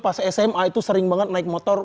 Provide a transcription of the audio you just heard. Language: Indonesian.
pas sma itu sering banget naik motor